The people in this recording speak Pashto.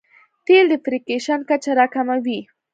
تېل د فریکشن کچه راکموي.